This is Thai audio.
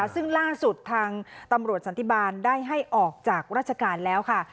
ซึ่งล่าสุดทางตำรวจสันติบาลได้ให้ออกจากราชการแล้วค่ะ